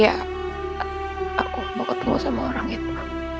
ya aku mau ketemu sama orang itu